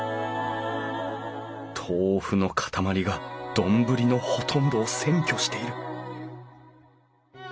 豆腐の塊が丼のほとんどを占拠している！